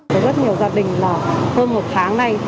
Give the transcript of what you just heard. với rất nhiều gia đình là hơn một tháng nay